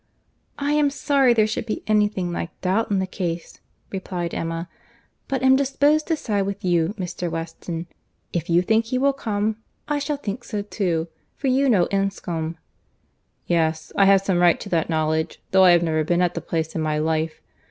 "I am sorry there should be any thing like doubt in the case," replied Emma; "but am disposed to side with you, Mr. Weston. If you think he will come, I shall think so too; for you know Enscombe." "Yes—I have some right to that knowledge; though I have never been at the place in my life.